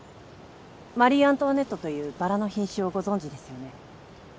マリー・アントワネットというバラの品種をご存じですよね